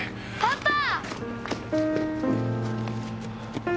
パパ！